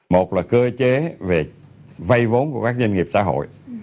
một là cơ chế về vay vốn của các doanh nghiệp xã hội